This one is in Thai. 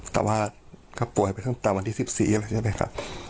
แต่ว่าก็ป่วยไปตั้งแต่วันที่๑๔แล้วใช่ไหมครับ